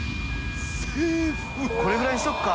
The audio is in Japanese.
これぐらいにしておくか。